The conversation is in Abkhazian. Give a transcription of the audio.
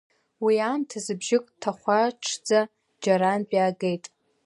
Уи аамҭаз бжьык ҭахәаҽӡа џьарантә иаагеит.